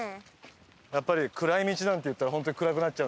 やっぱり「暗い道」なんて言ったら本当に暗くなっちゃうんで。